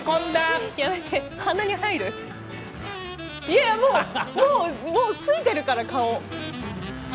いやもうもうもうついてるから顔！